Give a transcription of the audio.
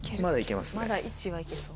まだ１は行けそう。